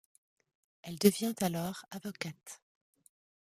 Elle devient alors avocate.